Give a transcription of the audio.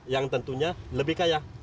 yang tentunya lebih kaya